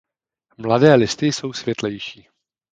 Mladé listy jsou světlejší.